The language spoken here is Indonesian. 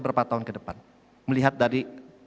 berapa tahun ke depan melihat dari